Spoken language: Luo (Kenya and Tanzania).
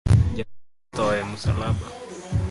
Jawar no tho e musalaba